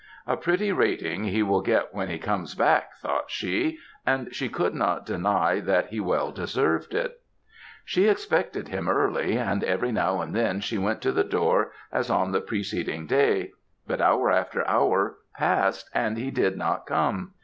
A pretty rating he will get when he comes back thought she; and she could not deny that he well deserved it. She expected him early, and every now and then she went to the door as on the preceding day; but hour after hour passed, and he did not come.